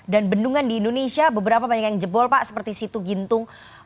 dan bendungan di indonesia beberapa banyak yang jebol pak seperti situ gintung